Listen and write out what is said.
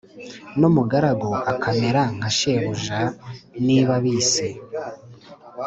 n umugaragu akamera nka shebuja Niba bise